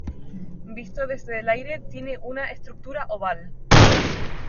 Visto desde el aire tiene una estructura oval.